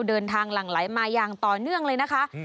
หลั่งไหลมาอย่างต่อเนื่องเลยนะคะ